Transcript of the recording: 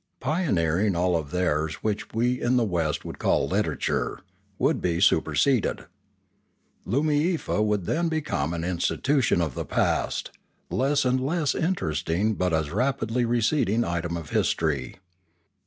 Pioneering, all of theirs which we in the West would call literature, would be superseded. Loomiefa would then become an institution of the past, less and less interesting as but a rapidly receding item of history.